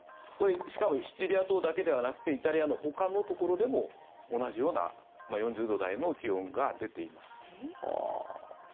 しかもシチリア島だけではなくてイタリアのほかのところでも同じような４０度台の気温が出ています。